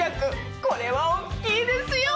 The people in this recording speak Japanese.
これはおっきいですよ！